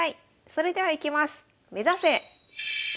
それではいきます。